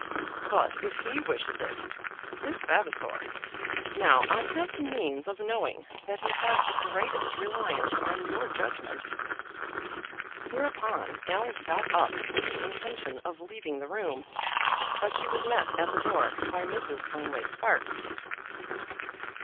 "But if he wishes it, Miss Vavasor! Now I have the means of knowing that he has the greatest reliance on your judgement." Hereupon Alice got up with the intention of leaving the room, but she was met at the door by Mrs. Conway Sparkes.